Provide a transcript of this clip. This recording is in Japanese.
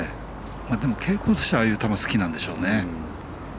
でも傾向としてはああいう球、好きなんでしょうね。